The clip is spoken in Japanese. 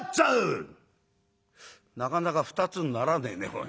「なかなか二つにならねえねおい。